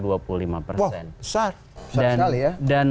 wah besar besar sekali ya